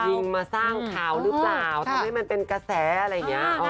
ยิงมาสร้างข่าวหรือเปล่าทำให้มันเป็นกระแสอะไรอย่างนี้